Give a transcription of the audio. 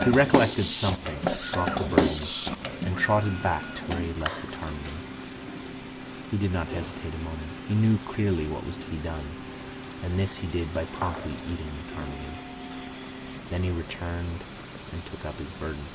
He recollected something, dropped the burden, and trotted back to where he had left the ptarmigan. He did not hesitate a moment. He knew clearly what was to be done, and this he did by promptly eating the ptarmigan. Then he returned and took up his burden.